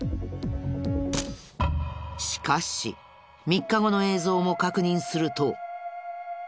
しかし３日後の映像を確認すると。